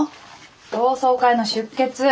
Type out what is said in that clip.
同窓会の出欠。